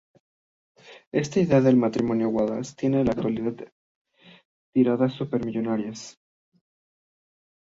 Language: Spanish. Esta idea del matrimonio Wallace tiene en la actualidad tiradas súper millonarias.